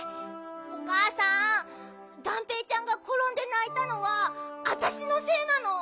おかあさんがんぺーちゃんがころんでないたのはあたしのせいなの。